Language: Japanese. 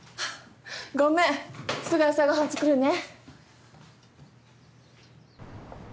ごめんすぐ朝ごはん作るね。